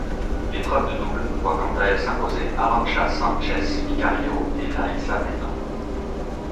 L'épreuve de double voit quant à elle s'imposer Arantxa Sánchez Vicario et Larisa Neiland.